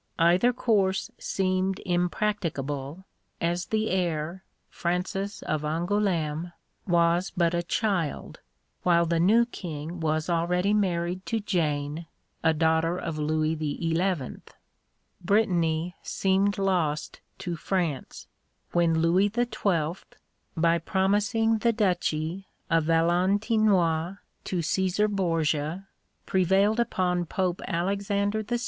Either course seemed impracticable, as the heir, Francis of Angoulême, was but a child, while the new King was already married to Jane, a daughter of Louis XI. Brittany seemed lost to France, when Louis XII., by promising the duchy of Valentinois to Cæsar Borgia, prevailed upon Pope Alexander VI.